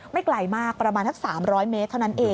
ไกลมากประมาณสัก๓๐๐เมตรเท่านั้นเอง